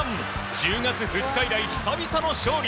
１０月２日以来、久々の勝利。